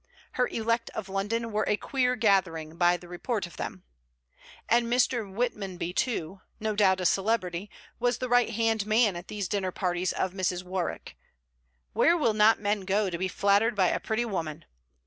Her 'elect of London' were a queer gathering, by report of them! And Mr. Whitmonby too, no doubt a celebrity, was the right hand man at these dinner parties of Mrs. Warwick. Where will not men go to be flattered by a pretty woman!